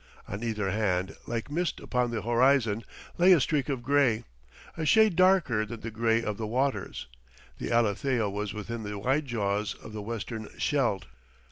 On either hand, like mist upon the horizon, lay a streak of gray, a shade darker than the gray of the waters. The Alethea was within the wide jaws of the Western Scheldt.